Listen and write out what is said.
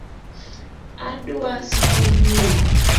Adwa sikund nyiri